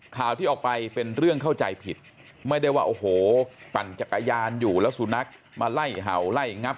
ข่าวที่ออกไปเป็นเรื่องเข้าใจผิดไม่ได้ว่าโอ้โหปั่นจักรยานอยู่แล้วสุนัขมาไล่เห่าไล่งับ